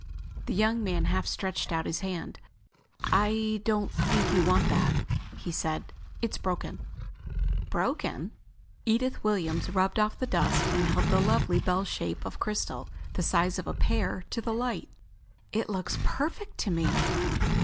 The young man half stretched out his hand. "I don't think you want that," he said. "It's broken." "Broken?" Edith Williams rubbed off the dust and held the lovely bell shape of crystal, the size of a pear, to the light. "It looks perfect to me."